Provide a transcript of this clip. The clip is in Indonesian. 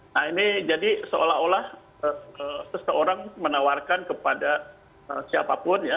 nah ini jadi seolah olah seseorang menawarkan kepada siapapun ya